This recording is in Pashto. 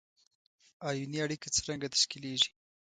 آیوني اړیکه څرنګه تشکیلیږي؟